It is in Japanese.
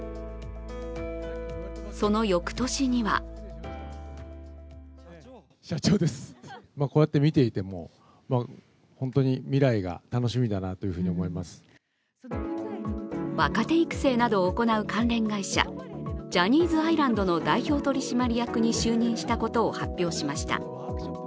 その翌年には若手育成などを行う関連会社ジャニーズアイランドの代表取締役に就任したことを発表しました。